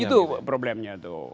itu problemnya tuh